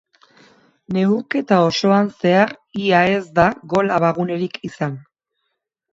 Neurketa osoan zehar ia ez da gol abagunerik izan.